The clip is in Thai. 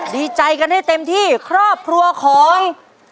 ดีใจกันให้เต็มที่ครอบครัวของ